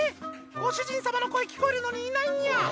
ご主人様の声聞こえるのにいないニャ」